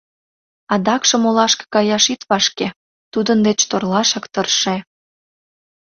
Адакшым олашке каяш ит вашке, тудын деч торлашак тырше.